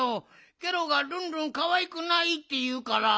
ケロがルンルンかわいくないっていうから。